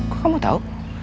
kok kamu tau